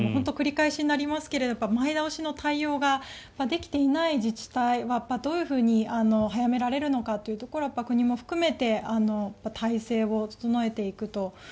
繰り返しになりますけど前倒しの対応ができていない自治体はどういうふうに早められるのかというところは国も含めて体制を整えていくと。